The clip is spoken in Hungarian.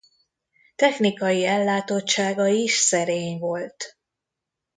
Technikai ellátottsága is szerény volt.